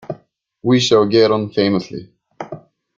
We shall get on famously.